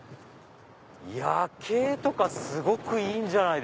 夜景とかすごくいいんじゃない？